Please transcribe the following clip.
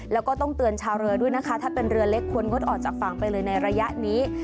แล้วก็ต้องเตือนชาวเรือด้วยนะคะถ้าเป็นเรือเล็กควรงดออกจากฝั่งไปเลยในระยะนี้